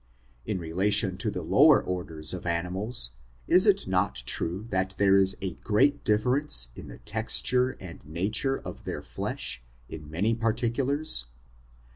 In relation to the lower orders of animals, is it not true that there is a great difference in the texture and nature of their ^^e^A in many particulars?